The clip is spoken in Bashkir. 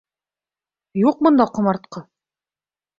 Юҡ бында ҡомартҡы!